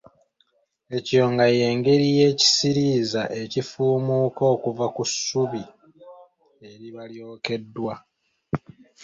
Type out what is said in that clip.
Ekiyonga ye ngeri y’ekisiriiza ekifuumuuka okuva ku ssubi eriba lyokeddwa.